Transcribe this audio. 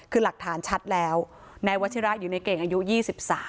คือหลักฐานชัดแล้วนายวัชิระอยู่ในเก่งอายุ๒๓